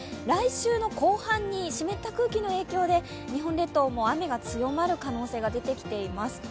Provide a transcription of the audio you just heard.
来週の後半に湿った空気の影響で日本列島、雨が強まる可能性が出てきています。